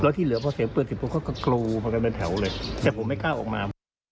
แล้วที่เหลือพอเสียงปืนเสียงปืนก็ก็กลูมากันเป็นแถวเลยแต่ผมไม่กล้าออกมา